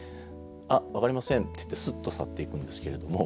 「あっ分かりません」って言ってすっと去っていくんですけれども。